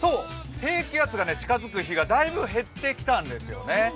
低気圧が近づく日が大分減ってきたんですよね。